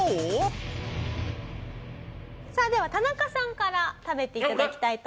さあでは田中さんから食べて頂きたいと思います。